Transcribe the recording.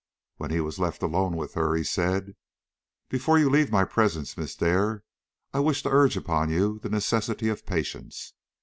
When he was left alone with her, he said: "Before you leave my presence, Miss Dare, I wish to urge upon you the necessity of patience.